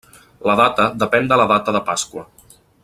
La data depèn de la data de Pasqua.